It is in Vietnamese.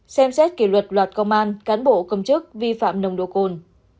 xem xét kỷ luật loạt công an cán bộ công chức vi phạm nồng độ cồn